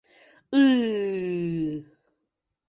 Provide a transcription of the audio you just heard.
Ы-ы-ы!